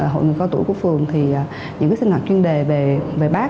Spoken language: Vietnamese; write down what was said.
hội người cao tuổi của phường thì những sinh hoạt chuyên đề về bác